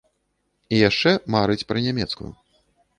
І яшчэ марыць пра нямецкую.